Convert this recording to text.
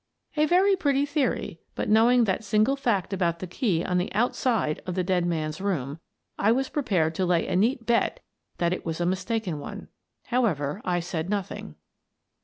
A very pretty theory, but, knowing that single fact about the key on the outside of the dead man's room, I was prepared to lay a neat bet that it was a mistaken one. However, I said nothing.